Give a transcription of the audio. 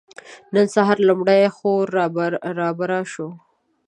نن سهار لومړۍ خور رابره شوه.